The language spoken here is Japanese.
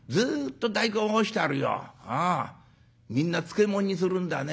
みんな漬物にするんだね。